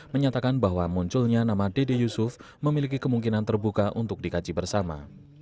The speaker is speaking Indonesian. menyatakan bahwa munculnya nama dede yusuf memiliki kemungkinan terbuka untuk dikaji bersama